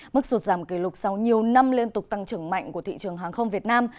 mức sụt giảm kỷ lục sau nhiều năm liên tục tăng trưởng mạnh của thị trường hàng không việt nam